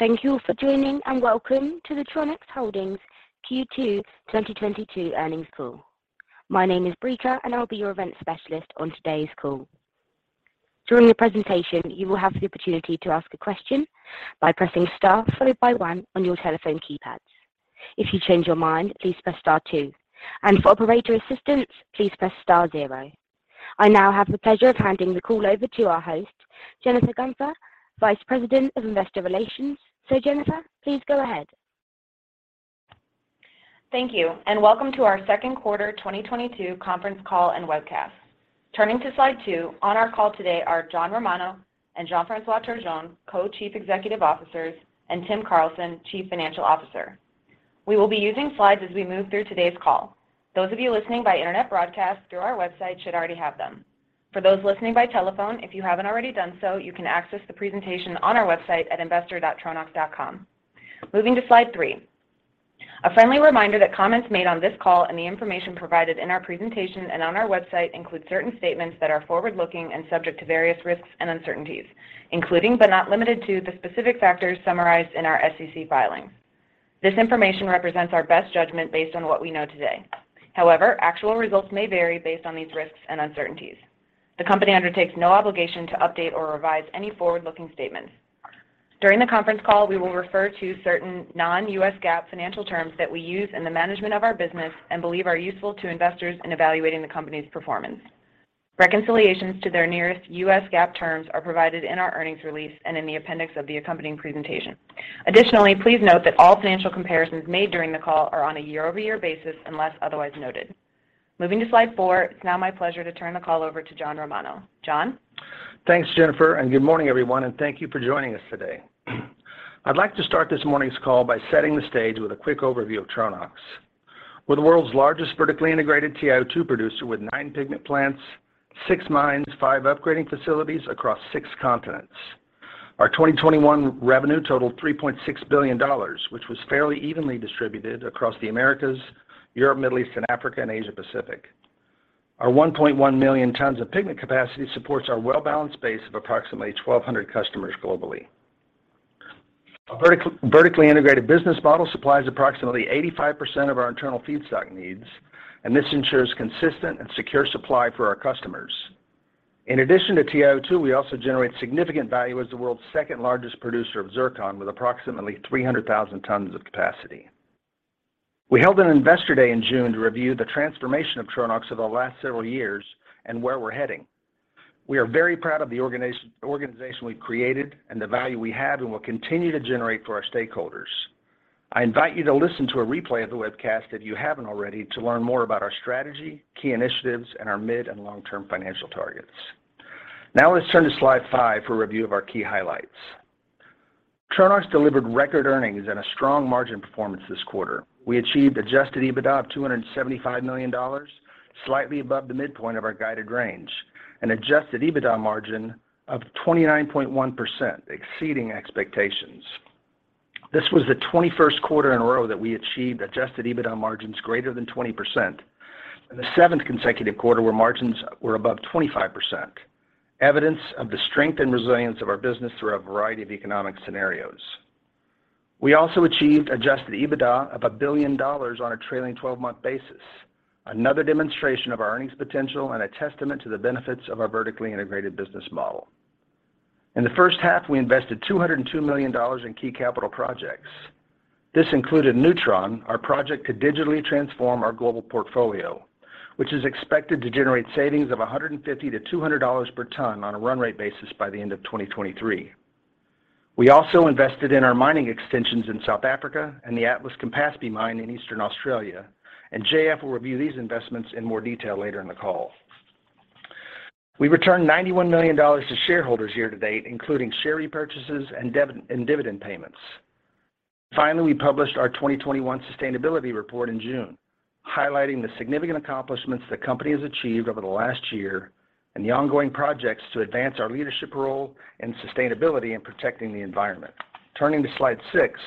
Thank you all for joining, and welcome to the Tronox Holdings Q2 2022 Earnings Call. My name is Brika, and I'll be your event specialist on today's call. During the presentation, you will have the opportunity to ask a question by pressing star followed by one on your telephone keypad. If you change your mind, please press star two, and for operator assistance, please press star zero. I now have the pleasure of handing the call over to our host, Jennifer Guenther, Vice President of Investor Relations. Jennifer, please go ahead. Thank you, and welcome to our second quarter 2022 conference call and webcast. Turning to slide two, on our call today are John Romano and Jean-François Turgeon, Co-Chief Executive Officers, and Tim Carlson, Chief Financial Officer. We will be using slides as we move through today's call. Those of you listening by internet broadcast through our website should already have them. For those listening by telephone, if you haven't already done so, you can access the presentation on our website at investor.tronox.com. Moving to slide three. A friendly reminder that comments made on this call and the information provided in our presentation and on our website include certain statements that are forward-looking and subject to various risks and uncertainties, including, but not limited to, the specific factors summarized in our SEC filings. This information represents our best judgment based on what we know today. However, actual results may vary based on these risks and uncertainties. The company undertakes no obligation to update or revise any forward-looking statements. During the conference call, we will refer to certain non-U.S. GAAP financial terms that we use in the management of our business and believe are useful to investors in evaluating the company's performance. Reconciliations to their nearest U.S. GAAP terms are provided in our earnings release and in the appendix of the accompanying presentation. Additionally, please note that all financial comparisons made during the call are on a year-over-year basis unless otherwise noted. Moving to slide four, it's now my pleasure to turn the call over to John Romano. John? Thanks, Jennifer, and good morning, everyone, and thank you for joining us today. I'd like to start this morning's call by setting the stage with a quick overview of Tronox. We're the world's largest vertically integrated TiO2 producer with nine pigment plants, six mines, five upgrading facilities across six continents. Our 2021 revenue totaled $3.6 billion, which was fairly evenly distributed across the Americas, Europe, Middle East, and Africa, and Asia Pacific. Our 1.1 million tons of pigment capacity supports our well-balanced base of approximately 1,200 customers globally. Our vertically integrated business model supplies approximately 85% of our internal feedstock needs, and this ensures consistent and secure supply for our customers. In addition to TiO2, we also generate significant value as the world's second-largest producer of zircon, with approximately 300,000 tons of capacity. We held an Investor Day in June to review the transformation of Tronox over the last several years and where we're heading. We are very proud of the organization we've created and the value we have and will continue to generate for our stakeholders. I invite you to listen to a replay of the webcast, if you haven't already, to learn more about our strategy, key initiatives, and our mid and long-term financial targets. Now let's turn to slide five for a review of our key highlights. Tronox delivered record earnings and a strong margin performance this quarter. We achieved adjusted EBITDA of $275 million, slightly above the midpoint of our guided range, an adjusted EBITDA margin of 29.1%, exceeding expectations. This was the 21st quarter in a row that we achieved adjusted EBITDA margins greater than 20% and the seventh consecutive quarter where margins were above 25%, evidence of the strength and resilience of our business through a variety of economic scenarios. We also achieved adjusted EBITDA of $1 billion on a trailing 12-month basis, another demonstration of our earnings potential and a testament to the benefits of our vertically integrated business model. In the first half, we invested $202 million in key capital projects. This included newTRON, our project to digitally transform our global portfolio, which is expected to generate savings of $150-$200 per ton on a run rate basis by the end of 2023. We also invested in our mining extensions in South Africa and the Atlas-Campaspe mine in Eastern Australia, and JF will review these investments in more detail later in the call. We returned $91 million to shareholders year-to-date, including share repurchases and dividend payments. Finally, we published our 2021 sustainability report in June, highlighting the significant accomplishments the company has achieved over the last year and the ongoing projects to advance our leadership role in sustainability and protecting the environment. Turning to slide six.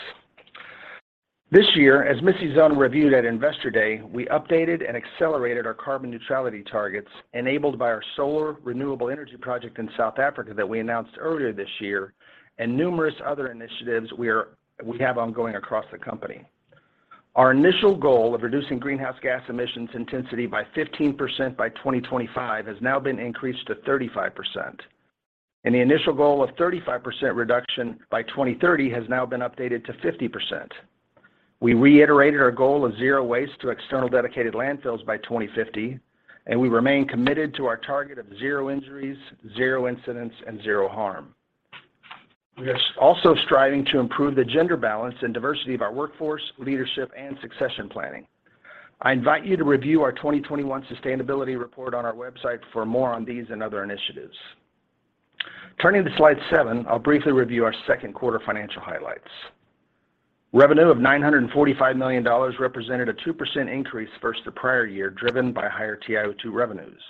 This year, as Melissa Zona reviewed at Investor Day, we updated and accelerated our carbon neutrality targets enabled by our solar renewable energy project in South Africa that we announced earlier this year and numerous other initiatives we have ongoing across the company. Our initial goal of reducing greenhouse gas emissions intensity by 15% by 2025 has now been increased to 35%, and the initial goal of 35% reduction by 2030 has now been updated to 50%. We reiterated our goal of zero waste to external dedicated landfills by 2050, and we remain committed to our target of zero injuries, zero incidents, and zero harm. We are also striving to improve the gender balance and diversity of our workforce, leadership, and succession planning. I invite you to review our 2021 sustainability report on our website for more on these and other initiatives. Turning to slide seven, I'll briefly review our second quarter financial highlights. Revenue of $945 million represented a 2% increase versus the prior year, driven by higher TiO2 revenues.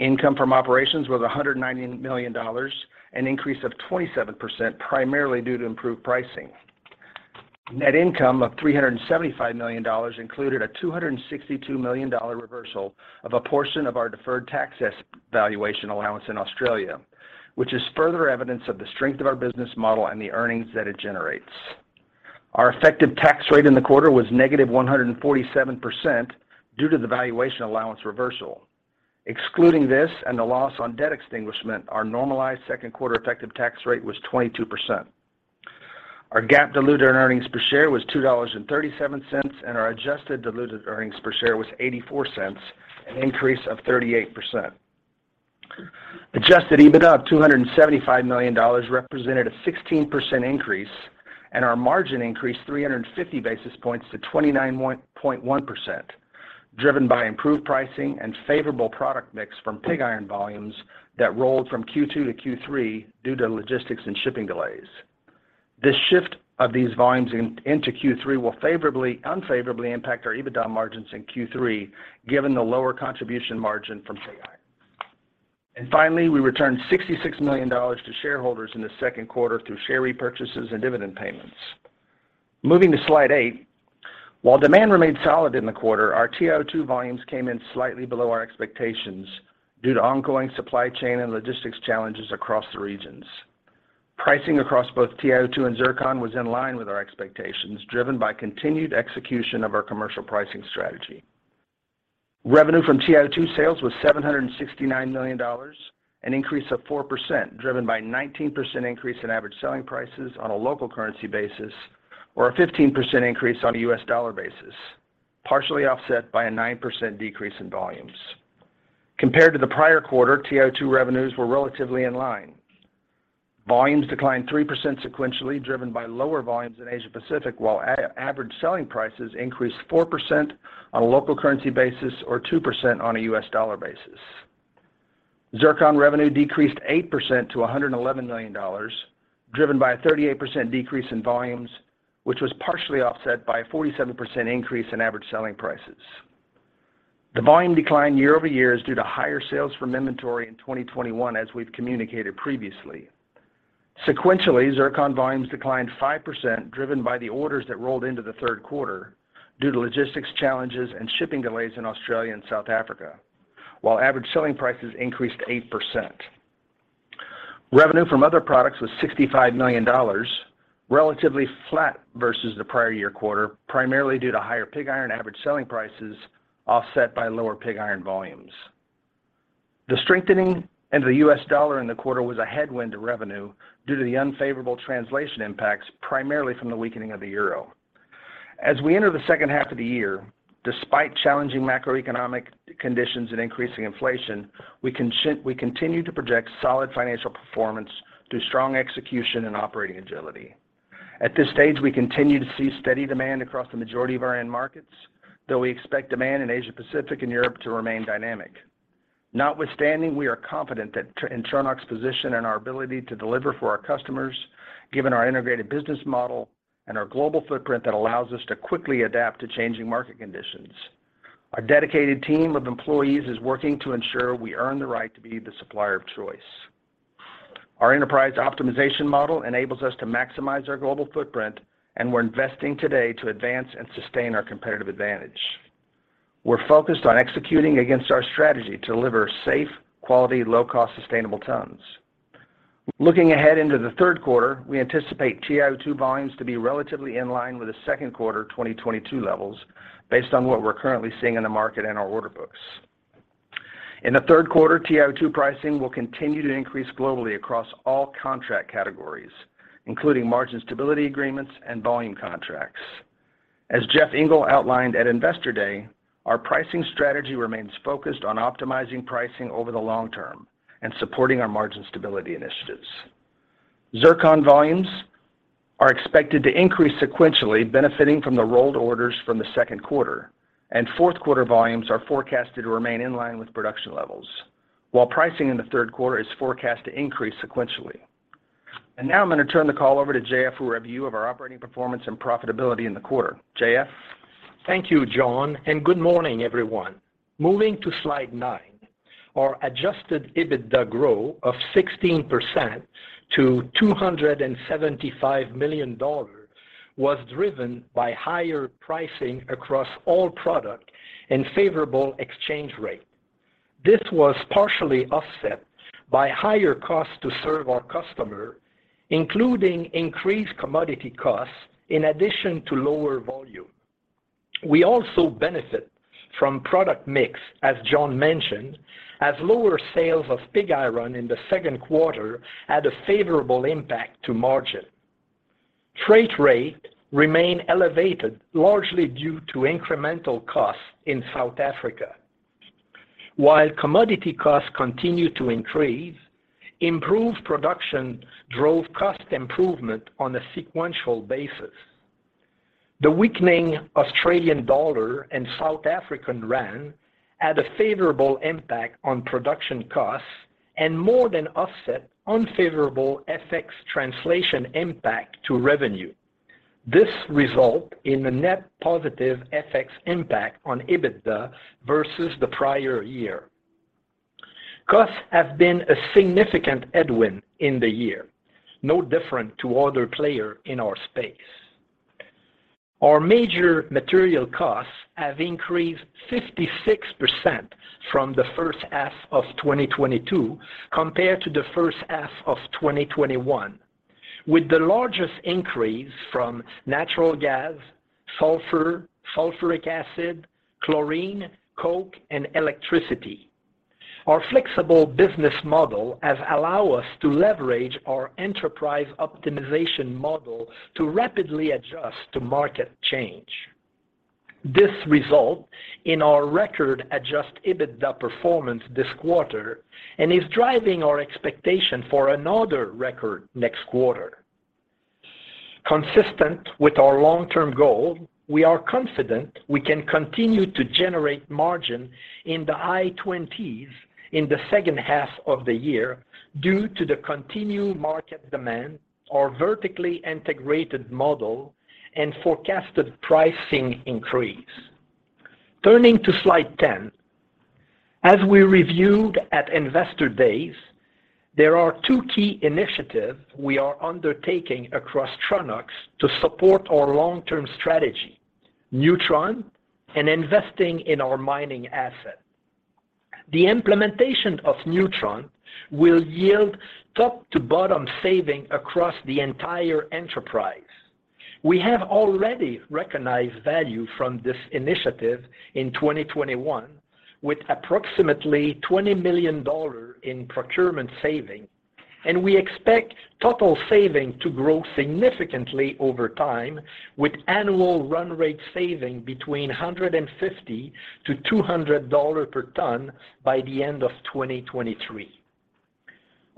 Income from operations was $190 million, an increase of 27% primarily due to improved pricing. Net income of $375 million included a $262 million reversal of a portion of our deferred tax valuation allowance in Australia, which is further evidence of the strength of our business model and the earnings that it generates. Our effective tax rate in the quarter was -147% due to the valuation allowance reversal. Excluding this and the loss on debt extinguishment, our normalized second quarter effective tax rate was 22%. Our GAAP diluted earnings per share was $2.37, and our adjusted diluted earnings per share was $0.84, an increase of 38%. Adjusted EBITDA of $275 million represented a 16% increase, and our margin increased 350 basis points to 29.1%, driven by improved pricing and favorable product mix from pig iron volumes that rolled from Q2 to Q3 due to logistics and shipping delays. This shift of these volumes into Q3 will unfavorably impact our EBITDA margins in Q3, given the lower contribution margin from pig iron. Finally, we returned $66 million to shareholders in the second quarter through share repurchases and dividend payments. Moving to slide eight. While demand remained solid in the quarter, our TiO2 volumes came in slightly below our expectations due to ongoing supply chain and logistics challenges across the regions. Pricing across both TiO2 and zircon was in line with our expectations, driven by continued execution of our commercial pricing strategy. Revenue from TiO2 sales was $769 million, an increase of 4%, driven by 19% increase in average selling prices on a local currency basis or a 15% increase on a U.S. dollar basis, partially offset by a 9% decrease in volumes. Compared to the prior quarter, TiO2 revenues were relatively in line. Volumes declined 3% sequentially, driven by lower volumes in Asia Pacific, while average selling prices increased 4% on a local currency basis or 2% on a U.S. dollar basis. Zircon revenue decreased 8% to $111 million, driven by a 38% decrease in volumes, which was partially offset by a 47% increase in average selling prices. The volume decline year-over-year is due to higher sales from inventory in 2021, as we've communicated previously. Sequentially, zircon volumes declined 5%, driven by the orders that rolled into the third quarter due to logistics challenges and shipping delays in Australia and South Africa, while average selling prices increased 8%. Revenue from other products was $65 million, relatively flat versus the prior year quarter, primarily due to higher pig iron average selling prices offset by lower pig iron volumes. The strengthening of the U.S. dollar in the quarter was a headwind to revenue due to the unfavorable translation impacts, primarily from the weakening of the euro. As we enter the second half of the year, despite challenging macroeconomic conditions and increasing inflation, we continue to project solid financial performance through strong execution and operating agility. At this stage, we continue to see steady demand across the majority of our end markets, though we expect demand in Asia Pacific and Europe to remain dynamic. Notwithstanding, we are confident that, in Tronox's position and our ability to deliver for our customers, given our integrated business model and our global footprint that allows us to quickly adapt to changing market conditions. Our dedicated team of employees is working to ensure we earn the right to be the supplier of choice. Our enterprise optimization model enables us to maximize our global footprint, and we're investing today to advance and sustain our competitive advantage. We're focused on executing against our strategy to deliver safe, quality, low-cost, sustainable tons. Looking ahead into the third quarter, we anticipate TiO2 volumes to be relatively in line with the second quarter 2022 levels based on what we're currently seeing in the market and our order books. In the third quarter, TiO2 pricing will continue to increase globally across all contract categories, including margin stability agreements and volume contracts. As Jeff Engle outlined at Investor Day, our pricing strategy remains focused on optimizing pricing over the long term and supporting our margin stability initiatives. Zircon volumes are expected to increase sequentially, benefiting from the rolled orders from the second quarter, and fourth quarter volumes are forecasted to remain in line with production levels, while pricing in the third quarter is forecast to increase sequentially. Now I'm going to turn the call over to JF for a review of our operating performance and profitability in the quarter. JF Thank you, John, and good morning, everyone. Moving to slide nine, our adjusted EBITDA growth of 16% to $275 million was driven by higher pricing across all product and favorable exchange rate. This was partially offset by higher costs to serve our customer, including increased commodity costs in addition to lower volume. We also benefit from product mix, as John mentioned, as lower sales of pig iron in the second quarter had a favorable impact to margin. Freight rate remained elevated, largely due to incremental costs in South Africa. While commodity costs continued to increase, improved production drove cost improvement on a sequential basis. The weakening Australian dollar and South African rand had a favorable impact on production costs and more than offset unfavorable FX translation impact to revenue. This resulted in a net positive FX impact on EBITDA versus the prior year. Costs have been a significant headwind in the year no different to other players in our space. Our major material costs have increased 56% from the first half of 2022 compared to the first half of 2021 with the largest increase from natural gas, sulfur, sulfuric acid, chlorine, coke, and electricity. Our flexible business model has allowed us to leverage our enterprise optimization model to rapidly adjust to market changes. This resulted in our record adjusted EBITDA performance this quarter and is driving our expectation for another record next quarter. Consistent with our long-term goal, we are confident we can continue to generate margin in the high twenties in the second half of the year due to the continued market demand, our vertically integrated model and forecasted pricing increase. Turning to slide 10. As we reviewed at Investor Day, there are two key initiatives we are undertaking across Tronox to support our long-term strategy, newTRON and investing in our mining asset. The implementation of newTRON will yield top to bottom saving across the entire enterprise. We have already recognized value from this initiative in 2021 with approximately $20 million in procurement saving, and we expect total saving to grow significantly over time with annual run rate saving between $150-$200 per ton by the end of 2023.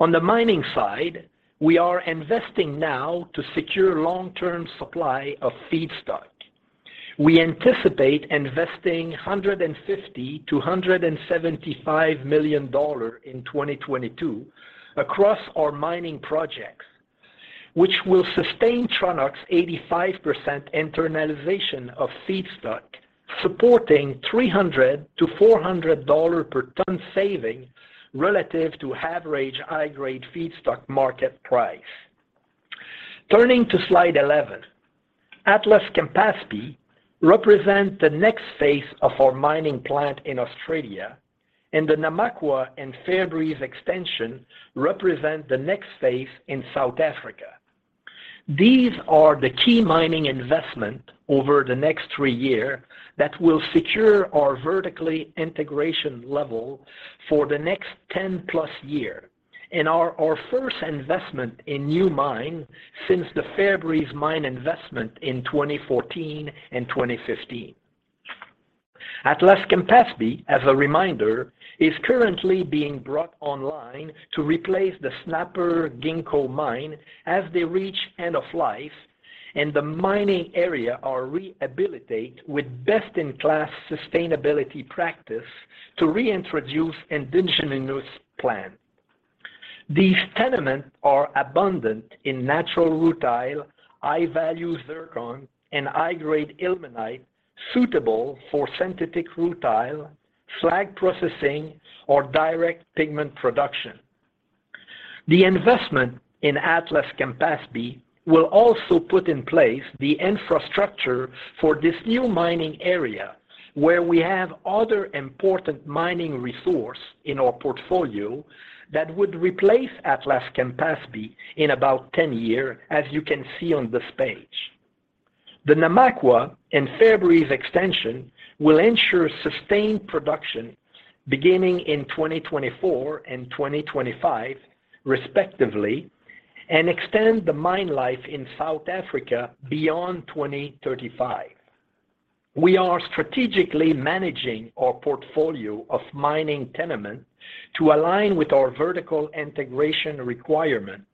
On the mining side, we are investing now to secure long-term supply of feedstock. We anticipate investing $150 million-$175 million in 2022 across our mining projects, which will sustain Tronox 85% internalization of feedstock, supporting $300-$400 per ton saving relative to average high-grade feedstock market price. Turning to slide 11. Atlas-Campaspe represents the next phase of our mining plan in Australia, and the Namakwa and Fairbreeze extension represent the next phase in South Africa. These are the key mining investment over the next three year that will secure our vertical integration level for the next 10+ year and are our first investment in new mine since the Fairbreeze mine investment in 2014 and 2015. Atlas-Campaspe, as a reminder, is currently being brought online to replace the Snapper-Ginkgo mine as they reach end of life and the mining area is rehabilitated with best-in-class sustainability practices to reintroduce indigenous plants. These tenements are abundant in natural rutile, high-value zircon, and high-grade ilmenite suitable for synthetic rutile, slag processing or direct pigment production. The investment in Atlas-Campaspe will also put in place the infrastructure for this new mining area, where we have other important mining resources in our portfolio that would replace Atlas-Campaspe in about 10 years, as you can see on this page. The Namakwa and Fairbreeze extension will ensure sustained production beginning in 2024 and 2025 respectively, and extend the mine life in South Africa beyond 2035. We are strategically managing our portfolio of mining tenements to align with our vertical integration requirement,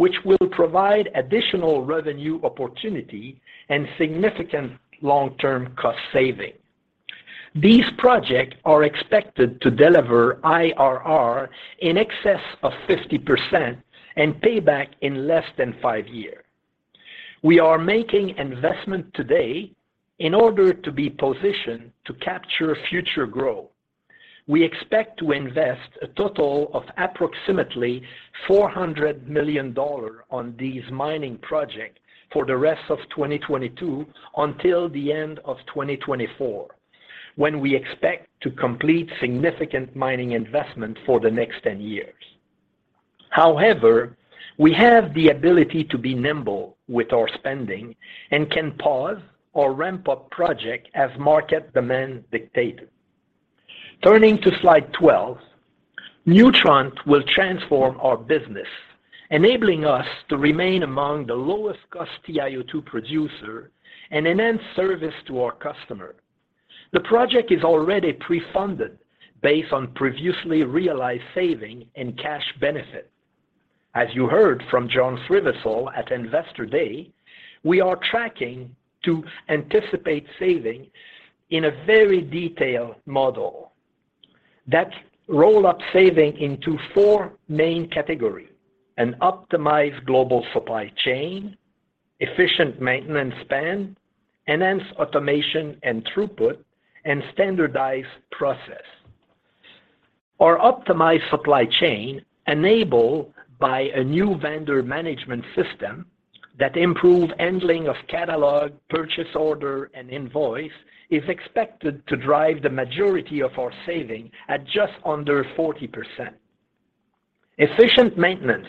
which will provide additional revenue opportunity and significant long-term cost savings. These projects are expected to deliver IRR in excess of 50% and payback in less than five years. We are making investment today in order to be positioned to capture future growth. We expect to invest a total of approximately $400 million on these mining projects for the rest of 2022 until the end of 2024, when we expect to complete significant mining investment for the next 10 years. However, we have the ability to be nimble with our spending and can pause or ramp up projects as market demand dictates. Turning to slide 12. NewTRON will transform our business, enabling us to remain among the lowest cost TiO2 producer and enhance service to our customer. The project is already pre-funded based on previously realized savings and cash benefit. As you heard from John Srivisal at Investor Day, we are tracking to anticipate savings in a very detailed model that rolls up savings into four main categories: an optimized global supply chain, efficient maintenance spend, enhanced automation and throughput, and standardized processes. Our optimized supply chain enabled by a new vendor management system that improved handling of catalog, purchase order, and invoice is expected to drive the majority of our savings at just under 40%. Efficient maintenance,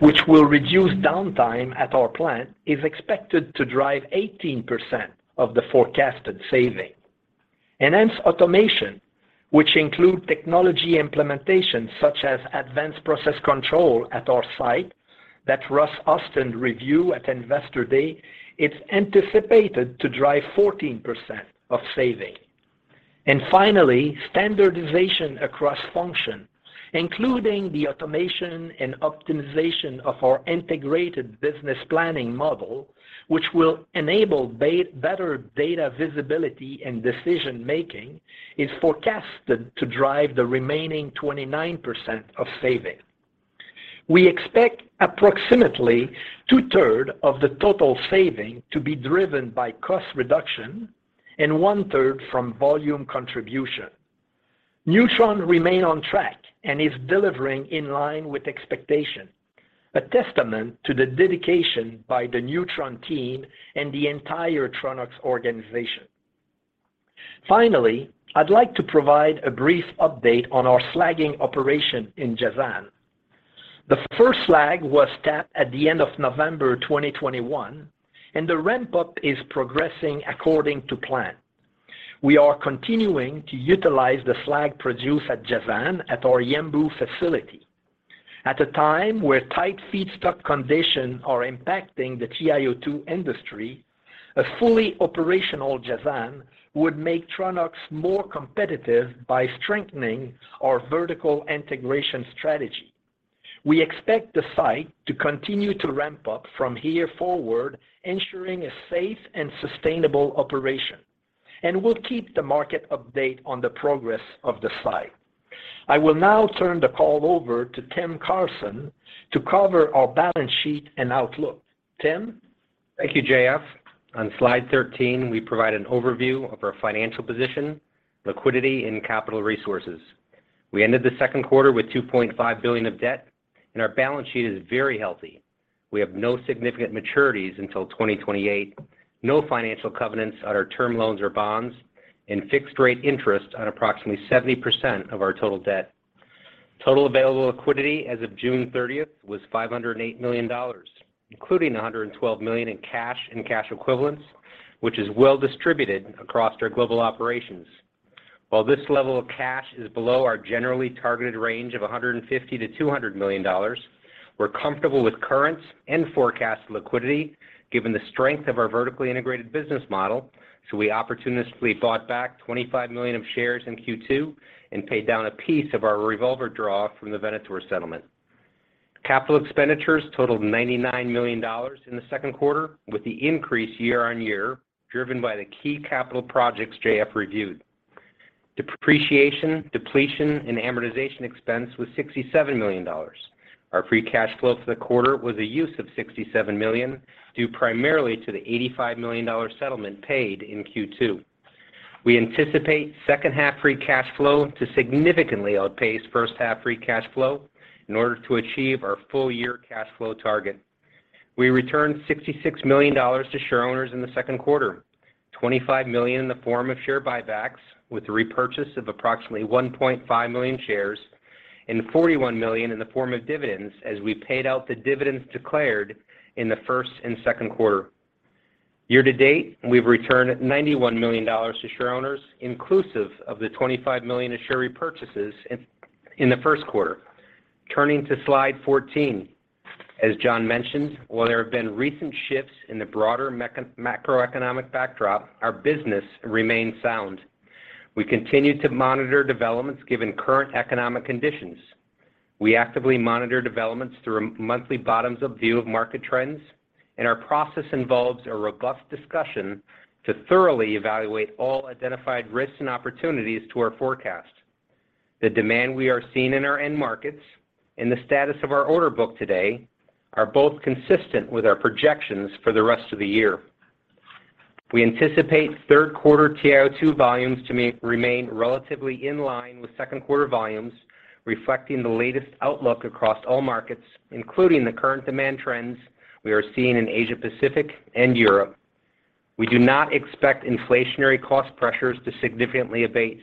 which will reduce downtime at our plant, is expected to drive 18% of the forecasted savings. Enhanced automation, which includes technology implementation such as advanced process control at our site that Russ Austin reviewed at Investor Day, is anticipated to drive 14% of savings. Finally, standardization across function, including the automation and optimization of our integrated business planning model, which will enable better data visibility and decision making, is forecasted to drive the remaining 29% of saving. We expect approximately two-thirds of the total saving to be driven by cost reduction and one-third from volume contribution. NewTRON remains on track and is delivering in line with expectation, a testament to the dedication by the newTRON team and the entire Tronox organization. Finally, I'd like to provide a brief update on our slagging operation in Jazan. The first slag was tapped at the end of November 2021, and the ramp-up is progressing according to plan. We are continuing to utilize the slag produced at Jazan at our Yanbu facility. At a time where tight feedstock conditions are impacting the TiO2 industry, a fully operational Jazan would make Tronox more competitive by strengthening our vertical integration strategy. We expect the site to continue to ramp up from here forward, ensuring a safe and sustainable operation, and we'll keep the market updated on the progress of the site. I will now turn the call over to Tim Carlson to cover our balance sheet and outlook. Tim. Thank you, JF. On slide 13, we provide an overview of our financial position, liquidity, and capital resources. We ended the second quarter with $2.5 billion of debt, and our balance sheet is very healthy. We have no significant maturities until 2028, no financial covenants on our term loans or bonds, and fixed rate interest on approximately 70% of our total debt. Total available liquidity as of June 30th was $508 million, including $112 million in cash and cash equivalents, which is well distributed across our global operations. While this level of cash is below our generally targeted range of $150 million-$200 million, we're comfortable with current and forecast liquidity given the strength of our vertically integrated business model, so we opportunistically bought back $25 million of shares in Q2 and paid down a piece of our revolver draw from the Venator settlement. Capital expenditures totaled $99 million in the second quarter, with the increase year-on-year driven by the key capital projects JF reviewed. Depreciation, depletion, and amortization expense was $67 million. Our free cash flow for the quarter was a use of $67 million, due primarily to the $85 million settlement paid in Q2. We anticipate second half free cash flow to significantly outpace first half free cash flow in order to achieve our full year cash flow target. We returned $66 million to shareowners in the second quarter, $25 million in the form of share buybacks, with the repurchase of approximately 1.5 million shares, and $41 million in the form of dividends as we paid out the dividends declared in the first and second quarter. Year-to-date, we've returned $91 million to shareowners, inclusive of the $25 million of share repurchases in the first quarter. Turning to slide 14. As John mentioned, while there have been recent shifts in the broader macroeconomic backdrop, our business remains sound. We continue to monitor developments given current economic conditions. We actively monitor developments through monthly bottoms-up view of market trends, and our process involves a robust discussion to thoroughly evaluate all identified risks and opportunities to our forecast. The demand we are seeing in our end markets and the status of our order book today are both consistent with our projections for the rest of the year. We anticipate third quarter TiO2 volumes to remain relatively in line with second quarter volumes, reflecting the latest outlook across all markets, including the current demand trends we are seeing in Asia Pacific and Europe. We do not expect inflationary cost pressures to significantly abate.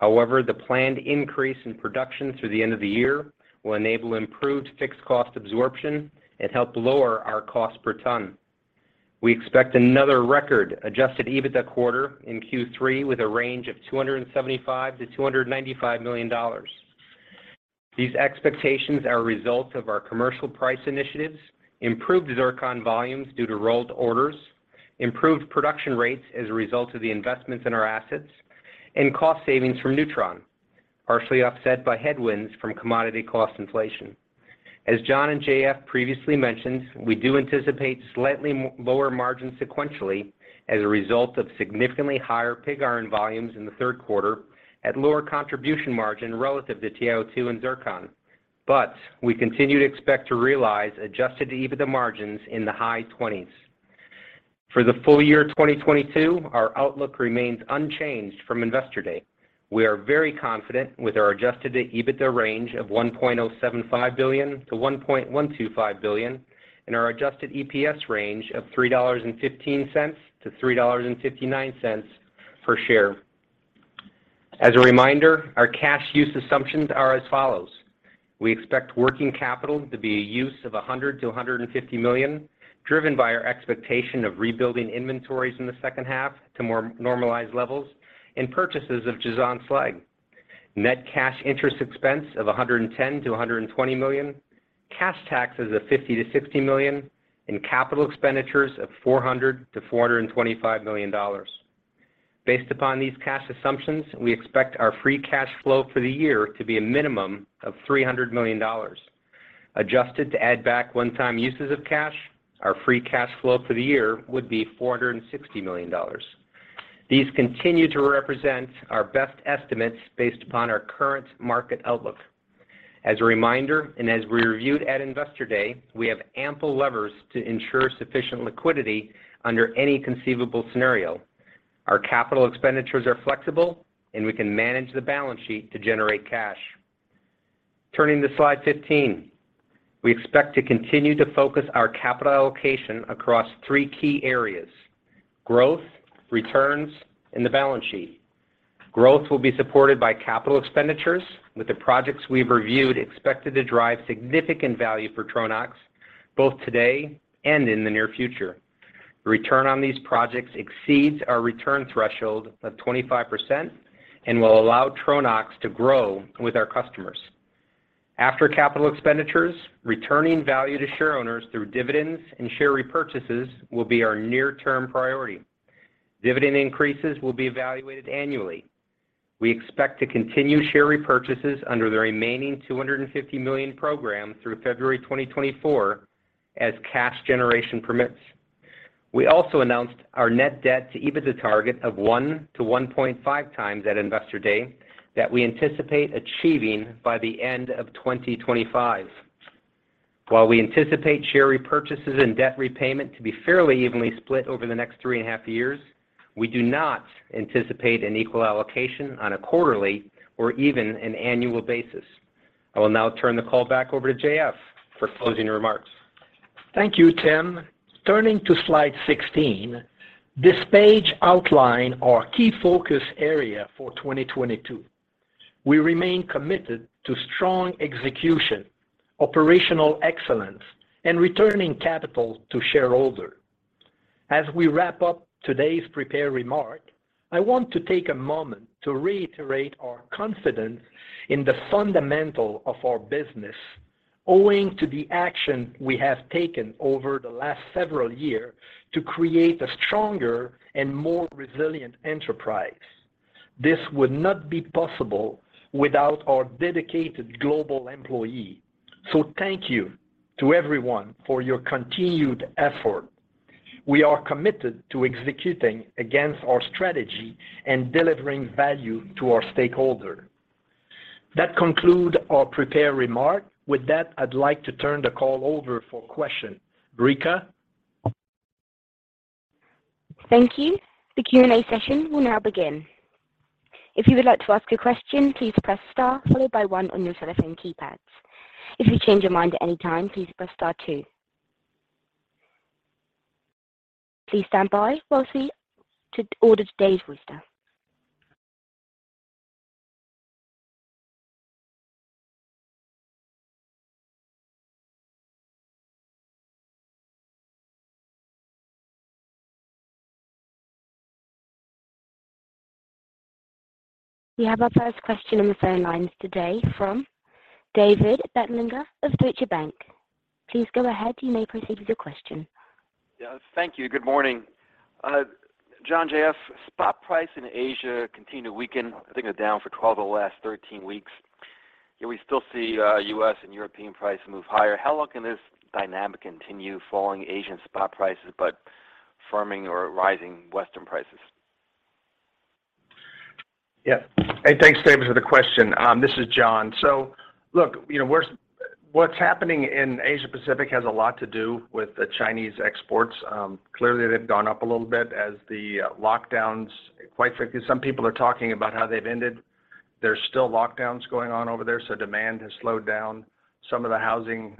However, the planned increase in production through the end of the year will enable improved fixed cost absorption and help lower our cost per ton. We expect another record adjusted EBITDA quarter in Q3 with a range of $275 million-$295 million. These expectations are a result of our commercial price initiatives, improved zircon volumes due to rolled orders, improved production rates as a result of the investments in our assets, and cost savings from newTRON, partially offset by headwinds from commodity cost inflation. As John and JF previously mentioned, we do anticipate slightly lower margins sequentially as a result of significantly higher pig iron volumes in the third quarter at lower contribution margin relative to TiO2 and zircon. We continue to expect to realize adjusted EBITDA margins in the high 20s. For the full year 2022, our outlook remains unchanged from Investor Day. We are very confident with our adjusted EBITDA range of $1.075 billion-$1.125 billion and our adjusted EPS range of $3.15-$3.59 per share. As a reminder, our cash use assumptions are as follows. We expect working capital to be a use of $100 million-$150 million, driven by our expectation of rebuilding inventories in the second half to more normalized levels and purchases of Jazan slag. Net cash interest expense of $110 million-$120 million. Cash taxes of $50 million-$60 million, and capital expenditures of $400 million-$425 million. Based upon these cash assumptions, we expect our free cash flow for the year to be a minimum of $300 million. Adjusted to add back one-time uses of cash, our free cash flow for the year would be $460 million. These continue to represent our best estimates based upon our current market outlook. As a reminder, and as we reviewed at Investor Day, we have ample levers to ensure sufficient liquidity under any conceivable scenario. Our capital expenditures are flexible, and we can manage the balance sheet to generate cash. Turning to slide 15. We expect to continue to focus our capital allocation across three key areas, growth, returns, and the balance sheet. Growth will be supported by capital expenditures with the projects we've reviewed expected to drive significant value for Tronox both today and in the near future. Return on these projects exceeds our return threshold of 25% and will allow Tronox to grow with our customers. After capital expenditures, returning value to share owners through dividends and share repurchases will be our near-term priority. Dividend increases will be evaluated annually. We expect to continue share repurchases under the remaining $250 million program through February 2024 as cash generation permits. We also announced our net debt to EBITDA target of 1x-1.5x at Investor Day that we anticipate achieving by the end of 2025. While we anticipate share repurchases and debt repayment to be fairly evenly split over the next three and a half years, we do not anticipate an equal allocation on a quarterly or even an annual basis. I will now turn the call back over to JF for closing remarks. Thank you, Tim. Turning to slide 16, this page outlines our key focus areas for 2022. We remain committed to strong execution, operational excellence, and returning capital to shareholders. As we wrap up today's prepared remarks, I want to take a moment to reiterate our confidence in the fundamentals of our business owing to the actions we have taken over the last several years to create a stronger and more resilient enterprise. This would not be possible without our dedicated global employees. Thank you to everyone for your continued efforts. We are committed to executing against our strategy and delivering value to our stakeholders. That concludes our prepared remarks. With that, I'd like to turn the call over for questions. Brika? Thank you. The Q&A session will now begin. If you would like to ask a question, please press star followed by one on your telephone keypads. If you change your mind at any time, please press star two. Please stand by while we poll today's roster. We have our first question on the phone lines today from David Begleiter of Deutsche Bank. Please go ahead. You may proceed with your question. Yeah. Thank you. Good morning. John, JF, spot price in Asia continues to weaken. I think they're down for 12 of the last 13 weeks. Yet we still see U.S. and European prices move higher. How long can this dynamic continue, falling Asian spot prices but firming or rising Western prices? Yeah. Hey, thanks, David, for the question. This is John. Look, you know, what's happening in Asia Pacific has a lot to do with the Chinese exports. Clearly, they've gone up a little bit as the lockdowns, quite frankly, some people are talking about how they've ended. There's still lockdowns going on over there, so demand has slowed down. Some of the housing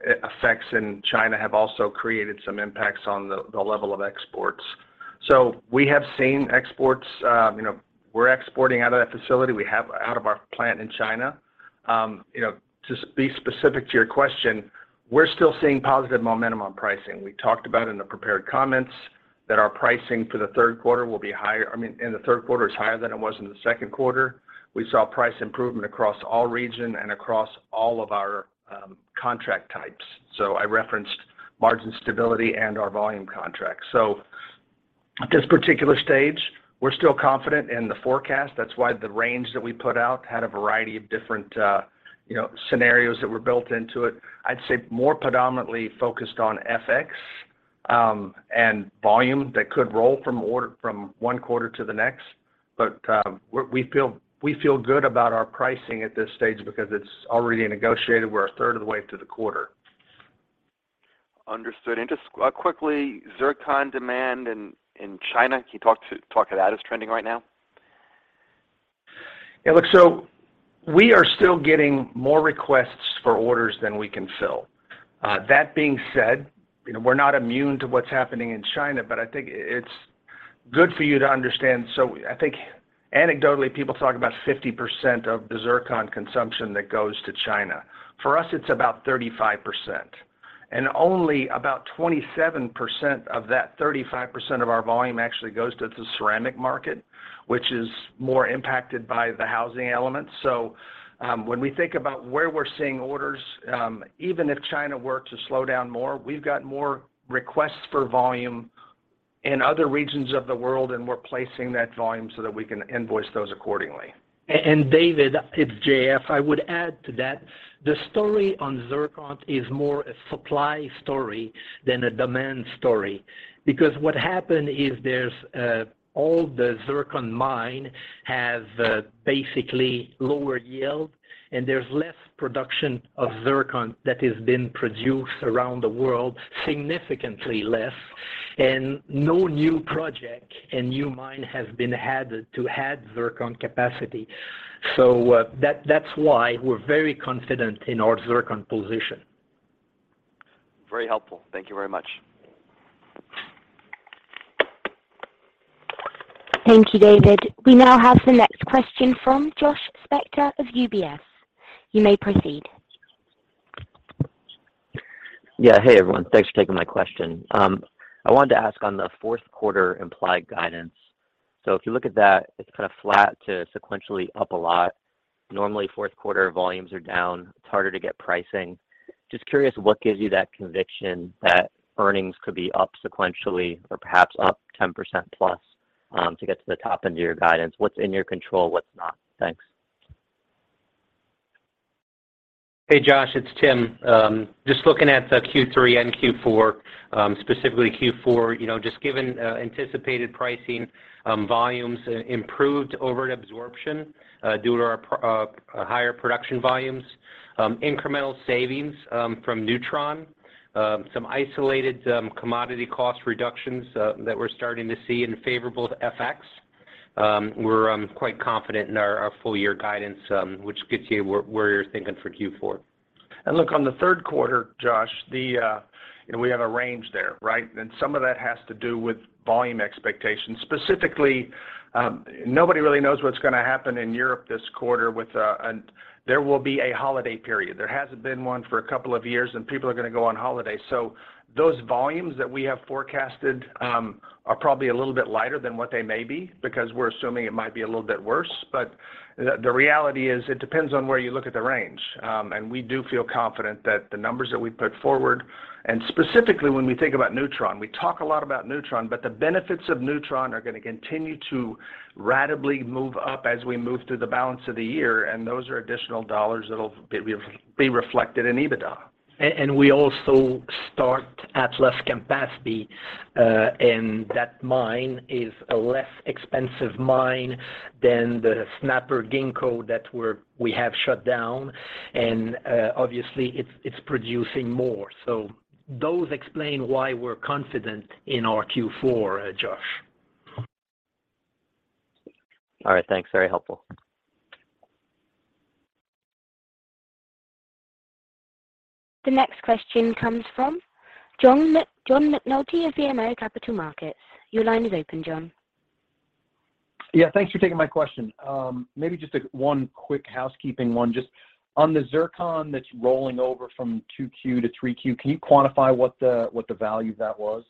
effects in China have also created some impacts on the level of exports. We have seen exports, you know, we're exporting out of that facility we have out of our plant in China. You know, to be specific to your question, we're still seeing positive momentum on pricing. We talked about in the prepared comments that our pricing for the third quarter will be higher. I mean, in the third quarter is higher than it was in the second quarter. We saw price improvement across all region and across all of our contract types. I referenced margin stability and our volume contract. At this particular stage, we're still confident in the forecast. That's why the range that we put out had a variety of different, you know, scenarios that were built into it. I'd say more predominantly focused on FX and volume that could roll from one quarter to the next. We feel good about our pricing at this stage because it's already negotiated. We're a third of the way through the quarter. Understood. Just quickly, zircon demand in China. Can you talk to how that is trending right now? Yeah. Look, we are still getting more requests for orders than we can fill. That being said, you know, we're not immune to what's happening in China, but I think it's good for you to understand. I think anecdotally, people talk about 50% of the zircon consumption that goes to China. For us, it's about 35%, and only about 27% of that 35% of our volume actually goes to the ceramic market, which is more impacted by the housing element. When we think about where we're seeing orders, even if China were to slow down more, we've got more requests for volume in other regions of the world, and we're placing that volume so that we can invoice those accordingly. David, it's JF I would add to that. The story on zircon is more a supply story than a demand story, because what happened is there's all the zircon mines have basically lower yield, and there's less production of zircon that has been produced around the world, significantly less. No new project and new mines has been added to add zircon capacity. So that's why we're very confident in our zircon position. Very helpful. Thank you very much. Thank you, David. We now have the next question from Josh Spector of UBS. You may proceed. Yeah. Hey, everyone. Thanks for taking my question. I wanted to ask on the fourth quarter implied guidance. If you look at that, it's kind of flat to sequentially up a lot. Normally, fourth quarter volumes are down. It's harder to get pricing. Just curious what gives you that conviction that earnings could be up sequentially or perhaps up 10%+, to get to the top end of your guidance? What's in your control? What's not? Thanks. Hey, Josh, it's Tim. Just looking at the Q3 and Q4, specifically Q4, you know, just given anticipated pricing, volumes improved over absorption due to our higher production volumes. Incremental savings from newTRON, some isolated commodity cost reductions that we're starting to see in favorable FX. We're quite confident in our full year guidance, which gets you where you're thinking for Q4. Look, on the third quarter, Josh, you know, we have a range there, right? Some of that has to do with volume expectations. Specifically, nobody really knows what's going to happen in Europe this quarter with there will be a holiday period. There hasn't been one for a couple of years, and people are going to go on holiday. Those volumes that we have forecasted are probably a little bit lighter than what they may be because we're assuming it might be a little bit worse. The reality is it depends on where you look at the range. We do feel confident that the numbers that we put forward, and specifically when we think about newTRON, we talk a lot about newTRON, but the benefits of newTRON are going to continue to ratably move up as we move through the balance of the year. Those are additional dollars that'll be reflected in EBITDA. We also start Atlas Campaspe, and that mine is a less expensive mine than the Snapper Ginkgo that we have shut down. Obviously it's producing more. Those explain why we're confident in our Q4, Josh. All right, thanks. Very helpful. The next question comes from John McNulty of BMO Capital Markets. Your line is open, John. Yeah, thanks for taking my question. Maybe just a quick housekeeping one. Just on the zircon that's rolling over from 2Q to 3Q, can you quantify what the value of that was?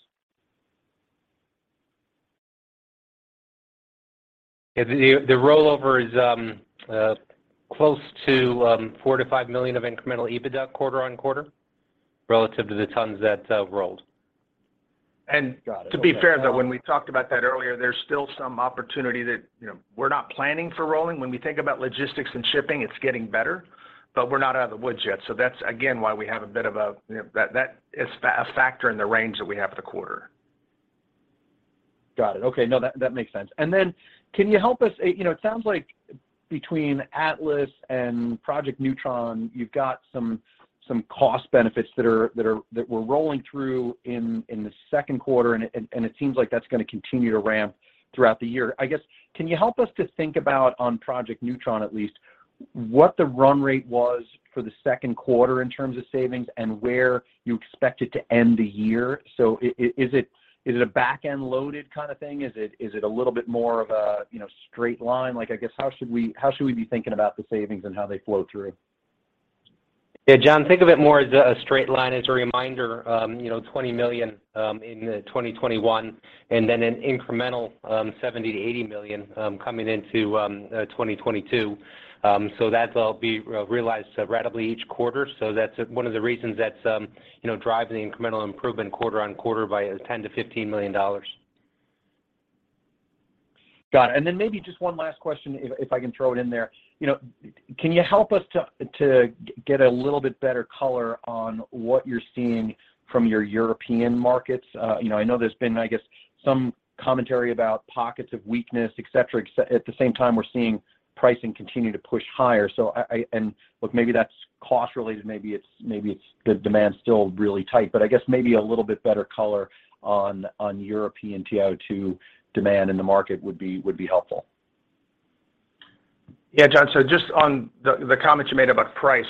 Yeah. The rollover is close to $4 million-$5 million of incremental EBITDA quarter-on-quarter relative to the tons that rolled. And- Got it. Okay. To be fair, though, when we talked about that earlier, there's still some opportunity that, you know, we're not planning for rolling. When we think about logistics and shipping, it's getting better, but we're not out of the woods yet. That's again, why we have a bit of a, you know, that is a factor in the range that we have for the quarter. Got it. Okay. No, that makes sense. Can you help us? You know, it sounds like between Atlas and Project newTRON, you've got some cost benefits that we're rolling through in the second quarter, and it seems like that's going to continue to ramp throughout the year. I guess, can you help us to think about on Project newTRON, at least, what the run rate was for the second quarter in terms of savings and where you expect it to end the year? Is it a back-end loaded kind of thing? Is it a little bit more of a, you know, straight line? I guess, how should we be thinking about the savings and how they flow through? Yeah, John, think of it more as a straight line. As a reminder, you know, $20 million in 2021, and then an incremental $70 million-$80 million coming into 2022. That'll be realized ratably each quarter. That's one of the reasons that's driving the incremental improvement quarter-over-quarter by $10 million-$15 million. Got it. Maybe just one last question if I can throw it in there. You know, can you help us to get a little bit better color on what you're seeing from your European markets? You know, I know there's been, I guess, some commentary about pockets of weakness, et cetera. At the same time, we're seeing pricing continue to push higher. I... Look, maybe that's cost related, maybe it's the demand's still really tight. I guess maybe a little bit better color on European TiO2 demand in the market would be helpful. Yeah, John, just on the comment you made about price.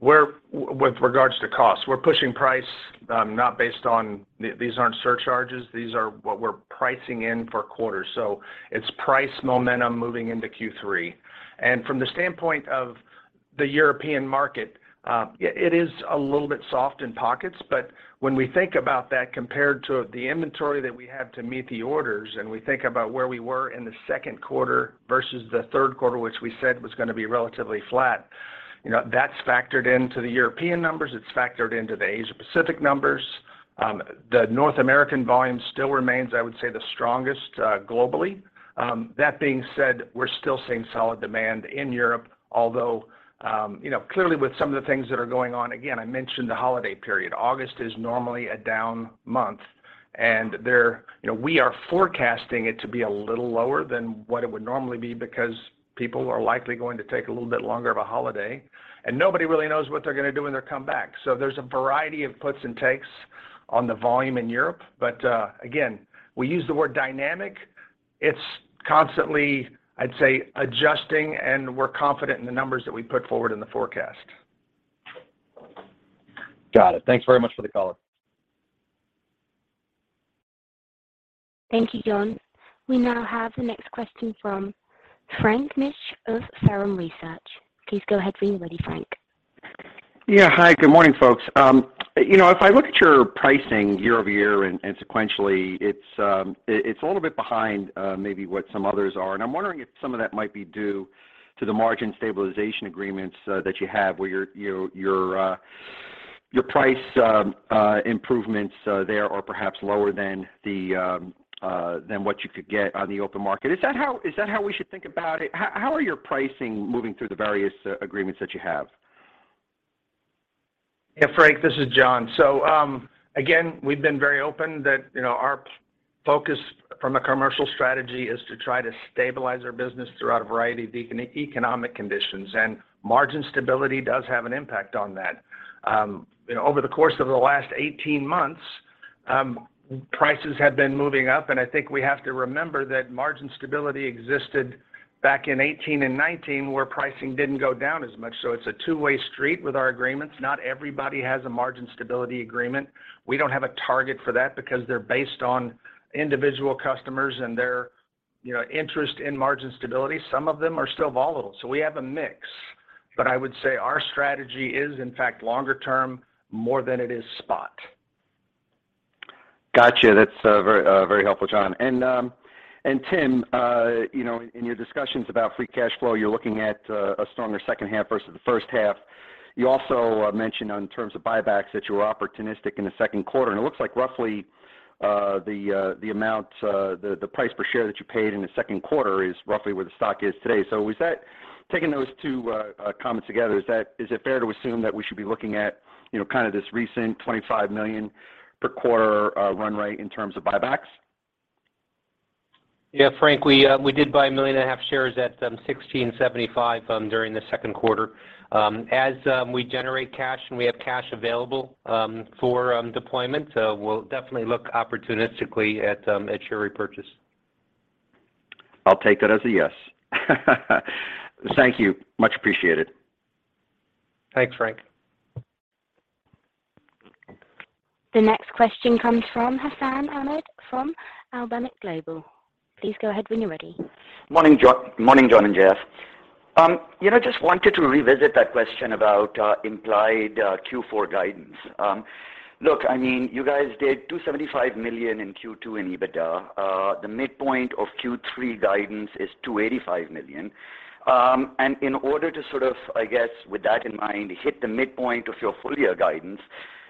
With regards to cost, we're pushing price. These aren't surcharges, these are what we're pricing in for quarters. It's price momentum moving into Q3. From the standpoint of the European market, it is a little bit soft in pockets, but when we think about that compared to the inventory that we have to meet the orders, and we think about where we were in the second quarter versus the third quarter, which we said was going to be relatively flat, you know, that's factored into the European numbers, it's factored into the Asia-Pacific numbers. The North American volume still remains, I would say, the strongest globally. That being said, we're still seeing solid demand in Europe, although you know, clearly with some of the things that are going on. Again, I mentioned the holiday period. August is normally a down month, and there you know, we are forecasting it to be a little lower than what it would normally be because people are likely going to take a little bit longer of a holiday, and nobody really knows what they're going to do when they come back. There's a variety of puts and takes on the volume in Europe. Again, we use the word dynamic. It's constantly, I'd say, adjusting, and we're confident in the numbers that we put forward in the forecast. Got it. Thanks very much for the color. Thank you, John. We now have the next question from Frank Mitsch of Fermium Research. Please go ahead when you're ready, Frank. Yeah. Hi, good morning, folks. You know, if I look at your pricing year over year and sequentially, it's a little bit behind maybe what some others are. I'm wondering if some of that might be due to the margin stability agreements that you have, where your, you know, your price improvements there are perhaps lower than what you could get on the open market. Is that how we should think about it? How are your pricing moving through the various agreements that you have? Yeah, Frank, this is John. Again, we've been very open that, you know, our focus from a commercial strategy is to try to stabilize our business throughout a variety of economic conditions, and margin stability does have an impact on that. You know, over the course of the last 18 months, prices have been moving up, and I think we have to remember that margin stability existed back in 2018 and 2019, where pricing didn't go down as much. It's a two-way street with our agreements. Not everybody has a margin stability agreement. We don't have a target for that because they're based on individual customers and their, you know, interest in margin stability. Some of them are still volatile. We have a mix, but I would say our strategy is in fact longer term more than it is spot. Got you. That's very, very helpful, John. Tim, you know, in your discussions about free cash flow, you're looking at a stronger second half versus the first half. You also mentioned in terms of buybacks that you were opportunistic in the second quarter, and it looks like roughly the price per share that you paid in the second quarter is roughly where the stock is today. Taking those two comments together, is it fair to assume that we should be looking at, you know, kind of this recent $25 million per quarter run rate in terms of buybacks? Yeah, Frank, we did buy 1.5 million shares at $16.75 during the second quarter. As we generate cash and we have cash available for deployment, we'll definitely look opportunistically at share repurchase. I'll take that as a yes. Thank you. Much appreciated. Thanks, Frank. The next question comes from Hassan Ahmed from Alembic Global Advisors. Please go ahead when you're ready. Morning, John and Jean. You know, just wanted to revisit that question about implied Q4 guidance. Look, I mean, you guys did $275 million in Q2 in EBITDA. The midpoint of Q3 guidance is $285 million. In order to sort of, I guess, with that in mind, hit the midpoint of your full year guidance,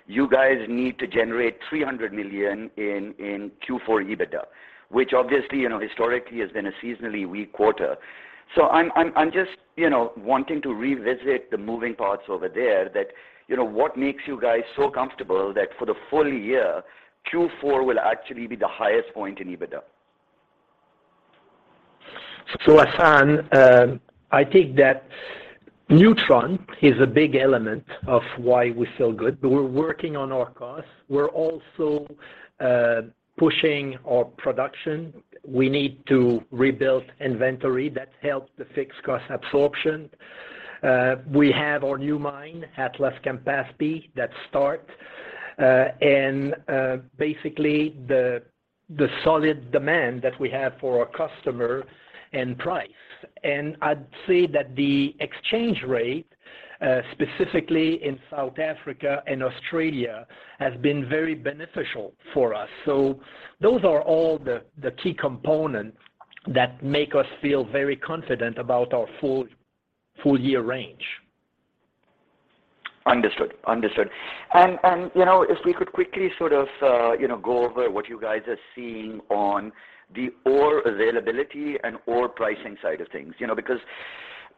you guys need to generate $300 million in Q4 EBITDA, which obviously, you know, historically has been a seasonally weak quarter. I'm just, you know, wanting to revisit the moving parts over there that, you know, what makes you guys so comfortable that for the full year, Q4 will actually be the highest point in EBITDA? Hassan, I think that newTRON is a big element of why we feel good. We're working on our costs. We're also pushing our production. We need to rebuild inventory that helped the fixed cost absorption. We have our new mine at Atlas-Campaspe and basically the solid demand that we have for our customer and price. I'd say that the exchange rate, specifically in South Africa and Australia, has been very beneficial for us. Those are all the key components that make us feel very confident about our full year range. Understood. You know, if we could quickly sort of, you know, go over what you guys are seeing on the ore availability and ore pricing side of things. You know, because,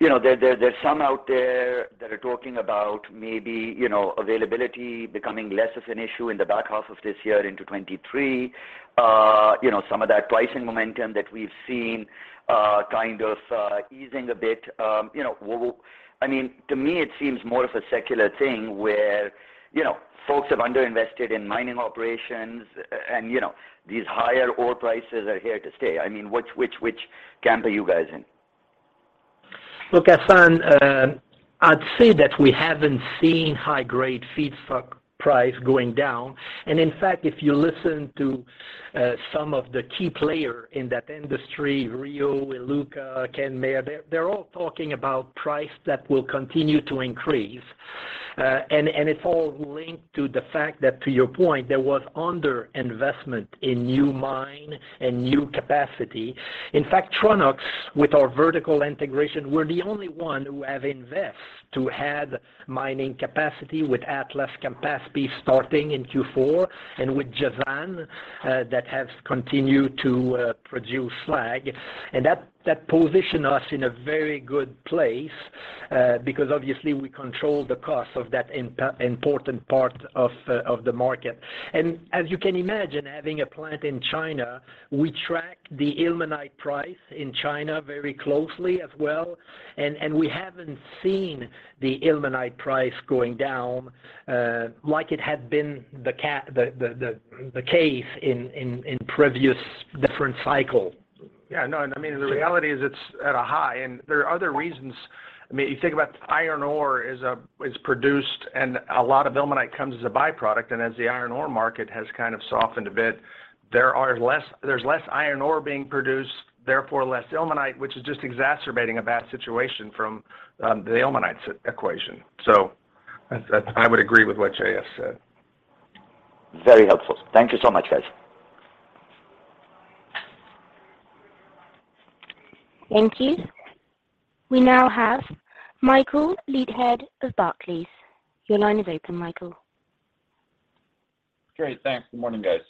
you know, there's some out there that are talking about maybe, you know, availability becoming less of an issue in the back half of this year into 2023. You know, some of that pricing momentum that we've seen, kind of, easing a bit. You know, I mean, to me, it seems more of a secular thing where, you know, folks have underinvested in mining operations and, you know, these higher ore prices are here to stay. I mean, which camp are you guys in? Look, Hassan, I'd say that we haven't seen high grade feedstock price going down. In fact, if you listen to some of the key player in that industry, Rio, Iluka, Kenmare, they're all talking about price that will continue to increase. It's all linked to the fact that, to your point, there was underinvestment in new mine and new capacity. In fact, Tronox, with our vertical integration, we're the only one who have invest to add mining capacity with Atlas Campaspe starting in Q4 and with Jazan, that has continued to produce slag. That positions us in a very good place, because obviously we control the cost of that important part of the market. As you can imagine, having a plant in China, we track the ilmenite price in China very closely as well. We haven't seen the ilmenite price going down, like it had been the case in previous different cycle. Yeah, no, I mean, the reality is it's at a high, and there are other reasons. I mean, you think about iron ore is produced, and a lot of ilmenite comes as a byproduct. As the iron ore market has kind of softened a bit, there's less iron ore being produced, therefore less ilmenite, which is just exacerbating a bad situation from the ilmenite equation. I would agree with what JF said. Very helpful. Thank you so much, guys. Thank you. We now have Michael Leithead of Barclays. Your line is open, Michael. Great. Thanks. Good morning, guys.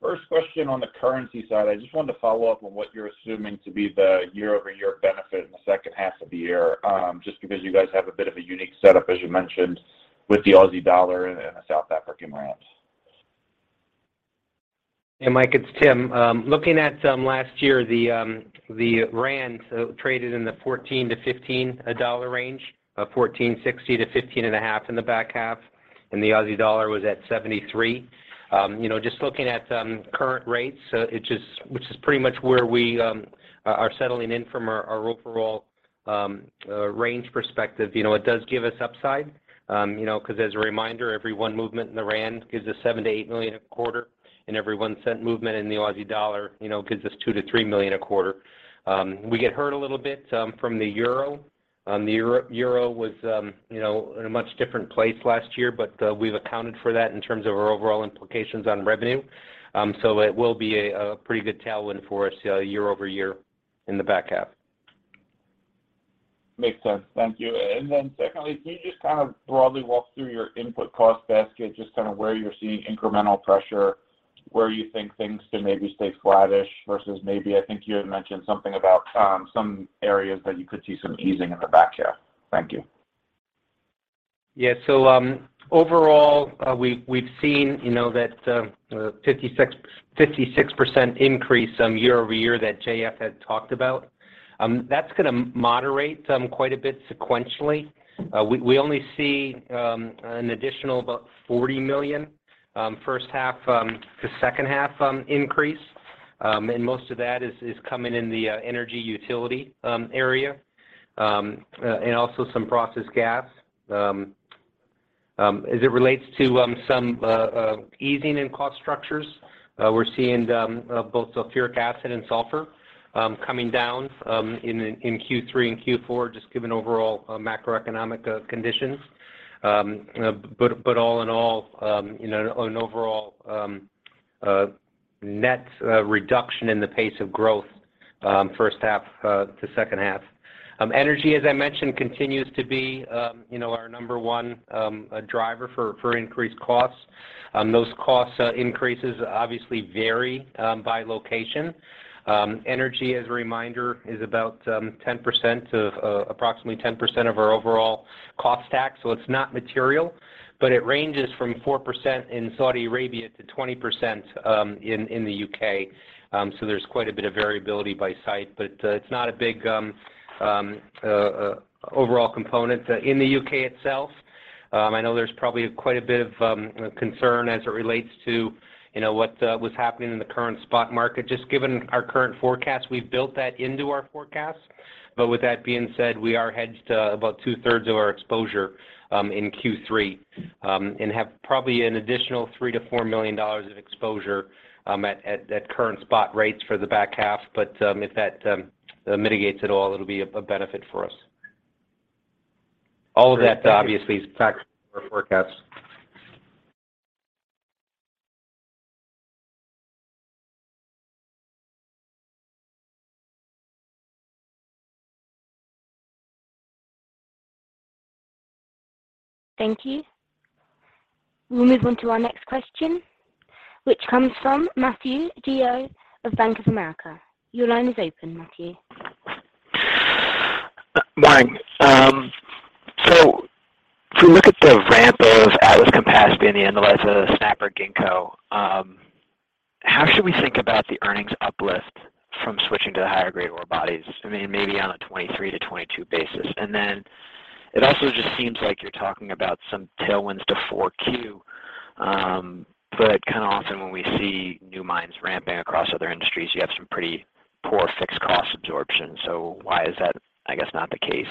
First question on the currency side. I just wanted to follow up on what you're assuming to be the year-over-year benefit in the second half of the year, just because you guys have a bit of a unique setup, as you mentioned, with the Aussie dollar and the South African rand. Hey, Michael, it's Tim. Looking at last year, the rand traded in the $14-$15 dollar range, $14.60-$15.5 in the back half, and the Aussie dollar was at $0.73. You know, just looking at current rates, which is pretty much where we are settling in from our overall range perspective. You know, it does give us upside, you know, because as a reminder, every one movement in the rand gives us $7 million-$8 million a quarter, and every $0.01 movement in the Aussie dollar, you know, gives us $2 million-$3 million a quarter. We get hurt a little bit from the euro. The euro was, you know, in a much different place last year, but we've accounted for that in terms of our overall implications on revenue. It will be a pretty good tailwind for us year-over-year in the back half. Makes sense. Thank you. Secondly, can you just kind of broadly walk through your input cost basket, just kind of where you're seeing incremental pressure, where you think things can maybe stay flattish versus maybe I think you had mentioned something about, some areas that you could see some easing in the back half. Thank you. Yeah. Overall, we've seen, you know, that 56% increase year-over-year that JF had talked about. That's going to moderate quite a bit sequentially. We only see an additional about $40 million first half to second half increase. Most of that is coming in the energy utility area and also some process gas. As it relates to some easing in cost structures, we're seeing both sulfuric acid and sulfur coming down in Q3 and Q4, just given overall macroeconomic conditions. All in all, you know, an overall net reduction in the pace of growth first half to second half. Energy, as I mentioned, continues to be, you know, our number one driver for increased costs. Those cost increases obviously vary by location. Energy, as a reminder, is about 10% of approximately 10% of our overall cost stack. It's not material, but it ranges from 4% in Saudi Arabia to 20% in the U.K. There's quite a bit of concern as it relates to, you know, what was happening in the current spot market. Just given our current forecast, we've built that into our forecast. With that being said, we are hedged to about two-thirds of our exposure in Q3 and have probably an additional $3 million-$4 million of exposure at current spot rates for the back half. If that mitigates at all, it'll be a benefit for us. All of that obviously factors our forecast. Thank you. We'll move on to our next question, which comes from Matthew DeYoe of Bank of America. Your line is open, Matthew. If you look at the ramp of Atlas capacity in the analysis of Snapper Ginkgo, how should we think about the earnings uplift from switching to the higher-grade ore bodies? I mean, maybe on a 2023-2022 basis. It also just seems like you're talking about some tailwinds to 4Q. Kind of often when we see new mines ramping across other industries, you have some pretty poor fixed cost absorption. Why is that, I guess, not the case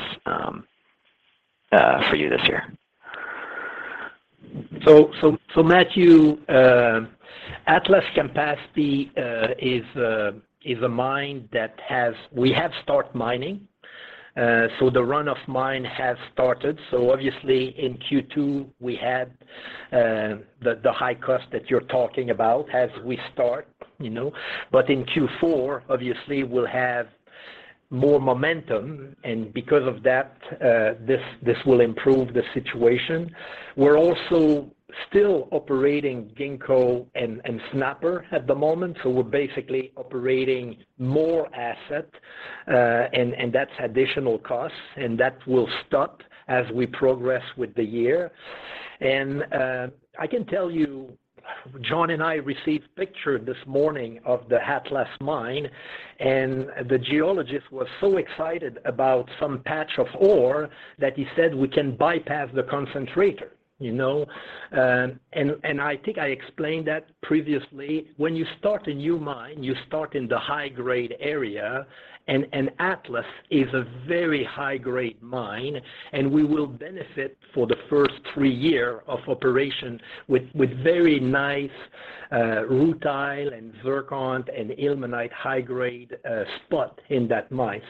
for you this year? Matthew, Atlas-Campaspe is a mine that has started mining. The run of mine has started. Obviously in Q2, we had the high cost that you're talking about as we start, you know. In Q4, obviously we'll have more momentum, and because of that, this will improve the situation. We're also still operating Ginkgo and Snapper at the moment, so we're basically operating more assets, and that's additional costs, and that will stop as we progress with the year. I can tell you, John and I received picture this morning of the Atlas-Campaspe mine, and the geologist was so excited about some patch of ore that he said we can bypass the concentrator, you know. I think I explained that previously. When you start a new mine, you start in the high-grade area, and Atlas is a very high-grade mine, and we will benefit for the first three year of operation with very nice rutile and zircon and ilmenite high-grade spot in that mine.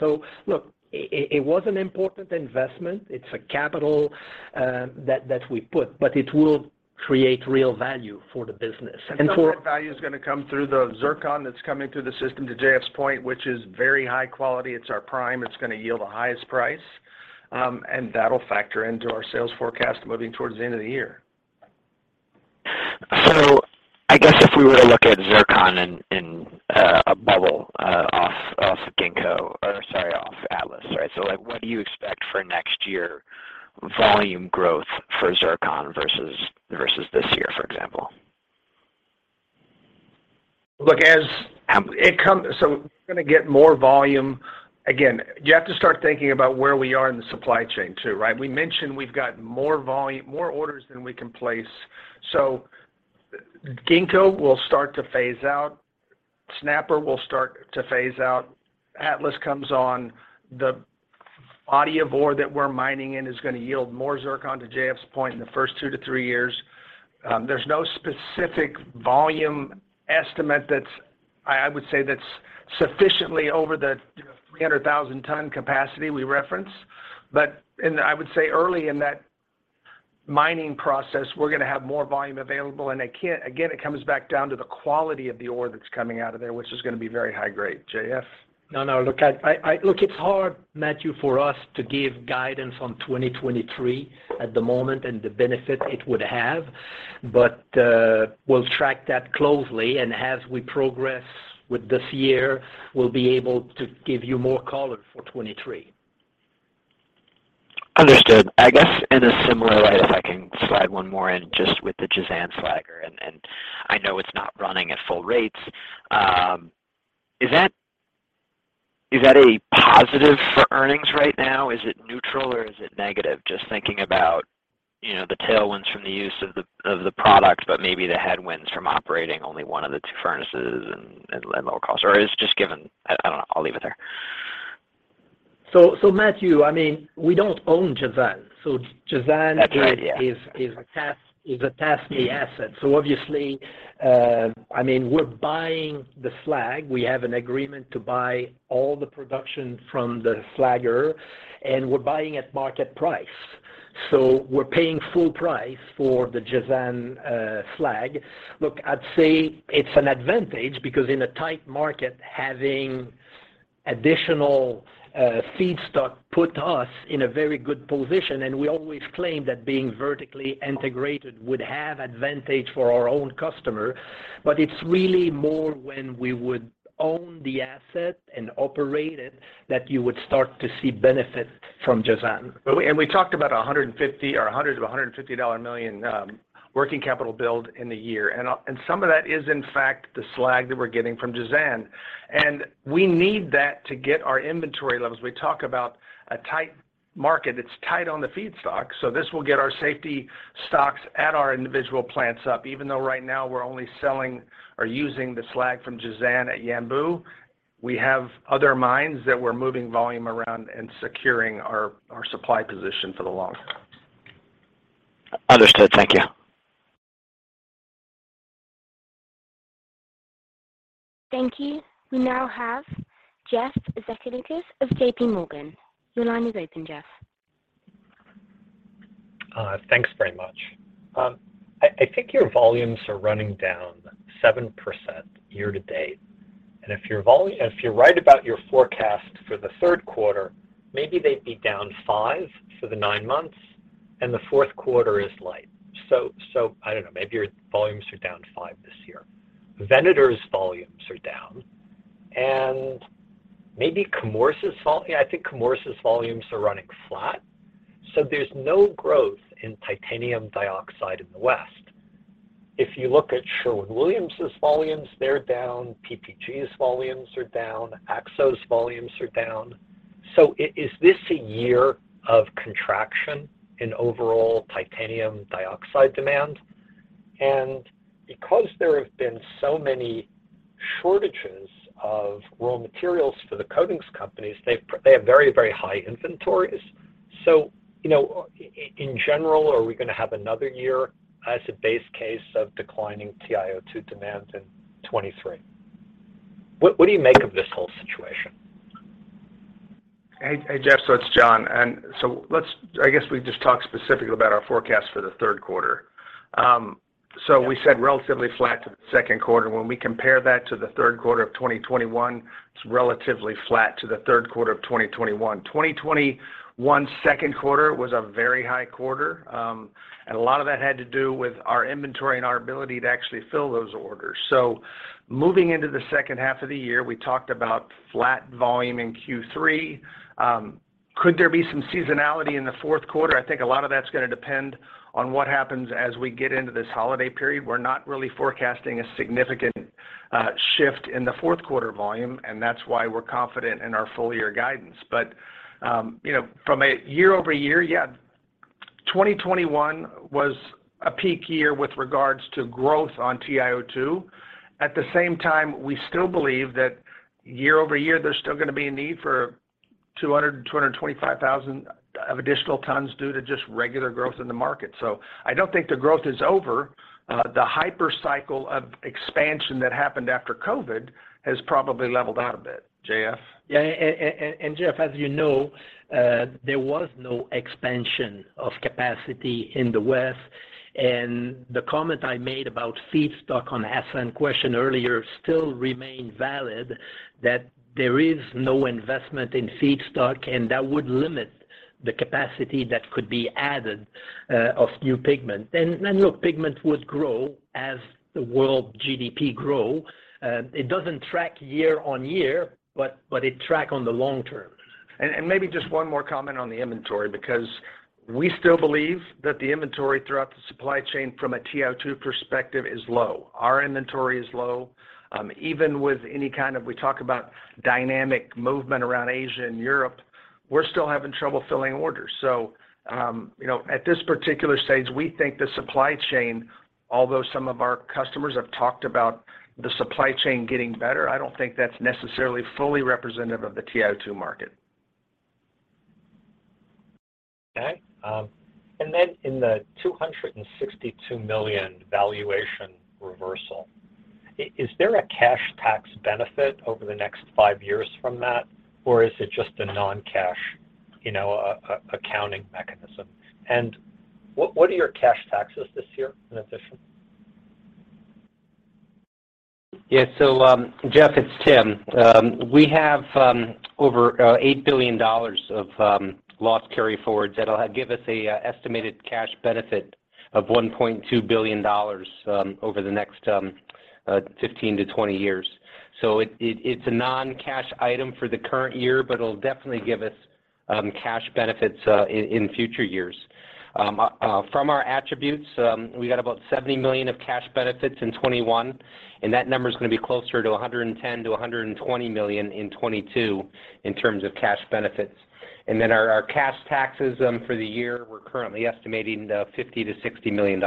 Look, it was an important investment. It's a capital that we put, but it will create real value for the business. Some of that value is going to come through the zircon that's coming through the system, to JF's point, which is very high quality. It's our prime. It's going to yield the highest price, and that'll factor into our sales forecast moving towards the end of the year. I guess if we were to look at zircon in a bubble, off Atlas, right? Like, what do you expect for next year volume growth for zircon versus this year, for example? Look, as it comes. We're going to get more volume. Again, you have to start thinking about where we are in the supply chain too, right? We mentioned we've got more volume, more orders than we can place. Ginkgo will start to phase out. Snapper will start to phase out. Atlas comes on. The body of ore that we're mining in is going to yield more zircon, to JF's point, in the first two to three years. There's no specific volume estimate that's, I would say, sufficiently over the, you know, 300,000-ton capacity we referenced. I would say early in that mining process, we're going to have more volume available. Again, it comes back down to the quality of the ore that's coming out of there, which is going to be very high grade. JF. No, no. Look, it's hard, Matthew, for us to give guidance on 2023 at the moment and the benefit it would have. We'll track that closely, and as we progress with this year, we'll be able to give you more color for 2023. Understood. I guess in a similar light, if I can slide one more in just with the Jazan slag, and I know it's not running at full rates. Is that a positive for earnings right now? Is it neutral or is it negative? Just thinking about, you know, the tailwinds from the use of the product, but maybe the headwinds from operating only one of the two furnaces and lower costs. I don't know. I'll leave it there. Matthew, I mean, we don't own Jazan. Jazan That's right. Yeah. This is a Tasnee asset. Obviously, I mean, we're buying the slag. We have an agreement to buy all the production from the smelter, and we're buying at market price. We're paying full price for the Jazan slag. Look, I'd say it's an advantage because in a tight market, having additional feedstock put us in a very good position, and we always claim that being vertically integrated would have advantage for our own customer. It's really more when we would own the asset and operate it that you would start to see benefit from Jazan. We talked about $150 million or $100 million-$150 million, working capital build in the year. Some of that is in fact the slag that we're getting from Jazan. We need that to get our inventory levels. We talk about a tight market, it's tight on the feedstock, so this will get our safety stocks at our individual plants up. Even though right now we're only selling or using the slag from Jazan at Yanbu, we have other mines that we're moving volume around and securing our supply position for the long term. Understood. Thank you. Thank you. We now have Jeff Zekauskas of JP Morgan. Your line is open, Jeff. Thanks very much. I think your volumes are running down 7% year-to-date. If you're right about your forecast for the third quarter, maybe they'd be down 5% for the nine months, and the fourth quarter is light. I don't know, maybe your volumes are down 5% this year. Venator's volumes are down, and maybe Chemours' volumes are running flat. Yeah, I think Chemours' volumes are running flat. There's no growth in titanium dioxide in the West. If you look at Sherwin-Williams' volumes, they're down, PPG's volumes are down, Akzo's volumes are down. Is this a year of contraction in overall titanium dioxide demand? Because there have been so many shortages of raw materials for the coatings companies, they have very, very high inventories. You know, in general, are we going to have another year as a base case of declining TiO2 demand in 2023? What do you make of this whole situation? Hey, hey, Jeff. It's John. I guess we just talked specifically about our forecast for the third quarter. We said relatively flat to the second quarter. When we compare that to the third quarter of 2021, it's relatively flat to the third quarter of 2021. 2021 second quarter was a very high quarter, and a lot of that had to do with our inventory and our ability to actually fill those orders. Moving into the second half of the year, we talked about flat volume in Q3. Could there be some seasonality in the fourth quarter? I think a lot of that's going to depend on what happens as we get into this holiday period. We're not really forecasting a significant shift in the fourth quarter volume, and that's why we're confident in our full year guidance. You know, from a year-over-year, yeah, 2021 was a peak year with regards to growth on TiO2. At the same time, we still believe that year-over-year, there's still going to be a need for 200,000, 225,000 additional tons due to just regular growth in the market. I don't think the growth is over. The hyper cycle of expansion that happened after COVID has probably leveled out a bit. JF? Yeah. Jeff, as you know, there was no expansion of capacity in the West. The comment I made about feedstock on Hassan's question earlier still remain valid, that there is no investment in feedstock, and that would limit the capacity that could be added of new pigment. Look, pigment would grow as the world GDP grow. It doesn't track year-on-year, but it track on the long term. Maybe just one more comment on the inventory, because we still believe that the inventory throughout the supply chain from a TiO2 perspective is low. Our inventory is low. Even with any kind of, we talk about dynamic movement around Asia and Europe, we're still having trouble filling orders. You know, at this particular stage, we think the supply chain, although some of our customers have talked about the supply chain getting better, I don't think that's necessarily fully representative of the TiO2 market. In the $262 million valuation reversal, is there a cash tax benefit over the next five years from that, or is it just a non-cash, you know, accounting mechanism? What are your cash taxes this year in addition? Yeah. Jeff, it's Tim. We have over $8 billion of loss carry forwards that'll give us an estimated cash benefit of $1.2 billion over the next 15-20 years. It's a non-cash item for the current year, but it'll definitely give us cash benefits in future years. From our attributes, we got about $70 million of cash benefits in 2021, and that number is going to be closer to $110 million-$120 million in 2022 in terms of cash benefits. Our cash taxes for the year, we're currently estimating $50 million-$60 million.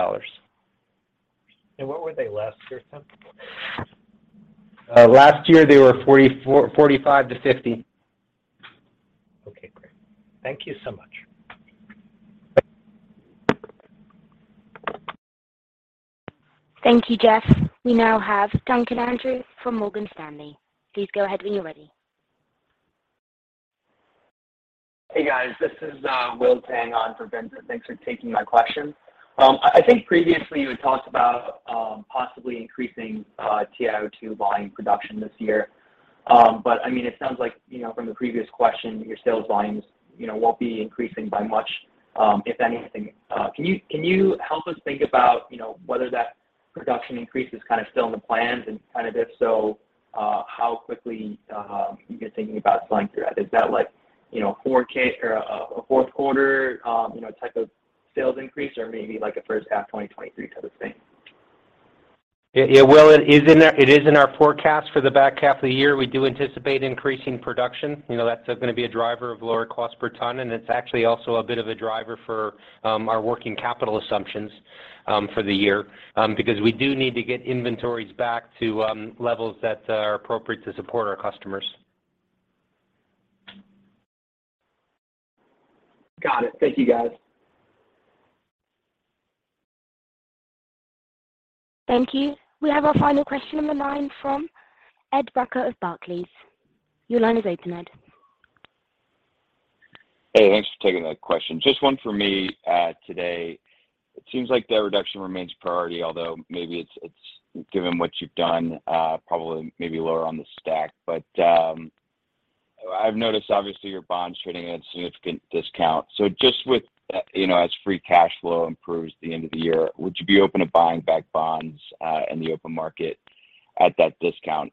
What were they last year, Tim? Last year, they were $45 million-$50 million. Okay, great. Thank you so much. Thank you, Jeff. We now have Vincent Andrews from Morgan Stanley. Please go ahead when you're ready. Hey, guys. This is Will Tang on for Vincent. Thanks for taking my question. I think previously you had talked about possibly increasing TiO2 volume production this year. I mean, it sounds like, you know, from the previous question, your sales volumes, you know, won't be increasing by much, if anything. Can you help us think about, you know, whether that production increase is kind of still in the plans and kind of if so, how quickly you're thinking about selling through that? Is that like, you know, or a fourth quarter, you know, type of sales increase or maybe like a first half 2023 type of thing? Yeah, yeah. Well, it is in our forecast for the back half of the year. We do anticipate increasing production. You know, that's going to be a driver of lower cost per ton, and it's actually also a bit of a driver for our working capital assumptions for the year, because we do need to get inventories back to levels that are appropriate to support our customers. Got it. Thank you, guys. Thank you. We have our final question on the line from Ed Brucker of Barclays. Your line is open, Ed. Hey, thanks for taking that question. Just one for me, today. It seems like debt reduction remains priority, although maybe it's, given what you've done, probably maybe lower on the stack. I've noticed obviously your bonds trading at a significant discount. Just with, as free cash flow improves at the end of the year, would you be open to buying back bonds, in the open market at that discount?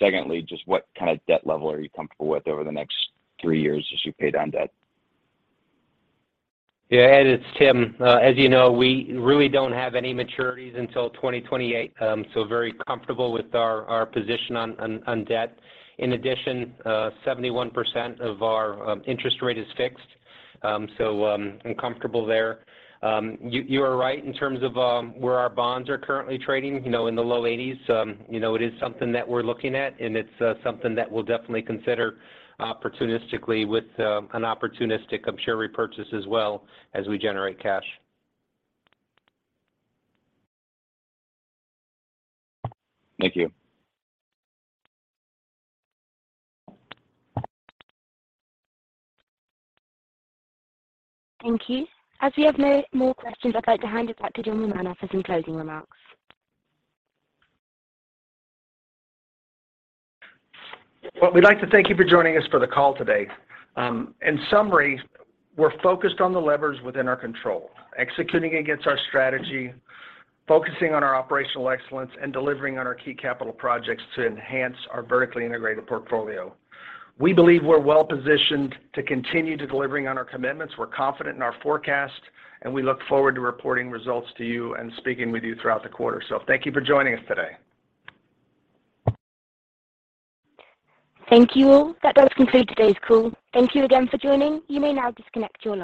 Secondly, just what kind of debt level are you comfortable with over the next three years as you pay down debt? Yeah. Ed, it's Tim. As you know, we really don't have any maturities until 2028, so very comfortable with our position on debt. In addition, 71% of our interest rate is fixed. So, I'm comfortable there. You are right in terms of where our bonds are currently trading, you know, in the low 80s. You know, it is something that we're looking at, and it's something that we'll definitely consider opportunistically with an opportunistic share repurchase as well as we generate cash. Thank you. Thank you. As we have no more questions, I'd like to hand it back to John Romano for some closing remarks. Well, we'd like to thank you for joining us for the call today. In summary, we're focused on the levers within our control, executing against our strategy, focusing on our operational excellence, and delivering on our key capital projects to enhance our vertically integrated portfolio. We believe we're well-positioned to continue to delivering on our commitments. We're confident in our forecast, and we look forward to reporting results to you and speaking with you throughout the quarter. Thank you for joining us today. Thank you all. That does conclude today's call. Thank you again for joining. You may now disconnect your line.